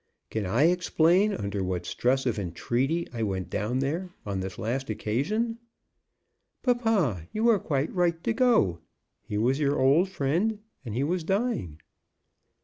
Can I explain under what stress of entreaty I went down there on this last occasion?" "Papa, you were quite right to go. He was your old friend, and he was dying."